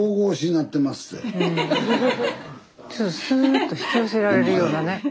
スタジオスーッと引き寄せられるようなね。